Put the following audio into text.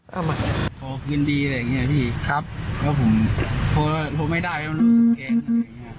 ขอบคุณดีอะไรอย่างเงี้ยพี่ครับแล้วผมพอไม่ได้แล้วมันรู้สึกแก๊ง